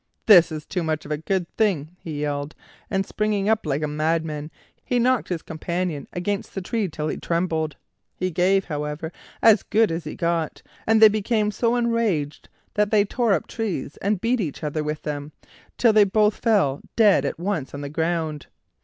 "This is too much of a good thing!" he yelled, and springing up like a madman, he knocked his companion against the tree till he trembled. He gave, however, as good as he got, and they became so enraged that they tore up trees and beat each other with them, till they both fell dead at once on the ground.